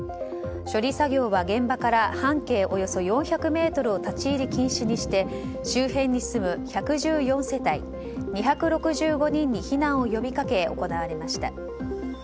処理作業は現場から半径およそ４００ｍを立ち入り禁止にして周辺に住む１１４世帯２６５人に避難を呼びかけ行われました。